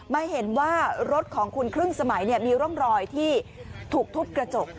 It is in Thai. มาเห็นว่ารถของคุณครึ่งสมัยมีร่องรอยที่ถูกทุบกระจก